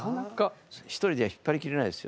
一人じゃ引っ張り切れないですよ